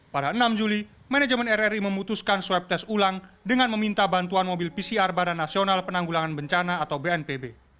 pada enam juli manajemen rri memutuskan swab tes ulang dengan meminta bantuan mobil pcr badan nasional penanggulangan bencana atau bnpb